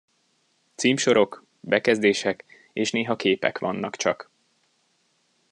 Címsorok, bekezdések és néha képek vannak csak.